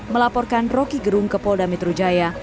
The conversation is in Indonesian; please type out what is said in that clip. melaporkan rokigerung ke polda metro jaya